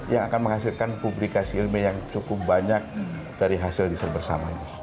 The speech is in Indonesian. yang akan menghasilkan publikasi ilmiah yang cukup banyak dari hasil riset bersama ini